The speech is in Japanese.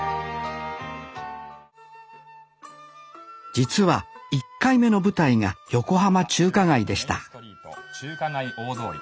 実は１回目の舞台が横浜中華街でした中華街大通り。